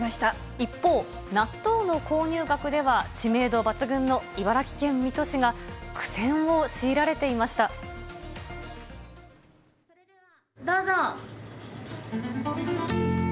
一方、納豆の購入額では知名度抜群の茨城県水戸市が苦戦を強いられていどうぞ！